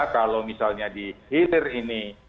kalau misalnya di hilir ini